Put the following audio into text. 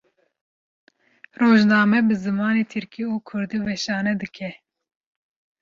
Rojname bi zimanê Tirkî û Kurdî weşanê dike.